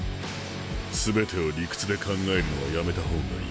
全てを理屈で考えるのはやめた方がいい。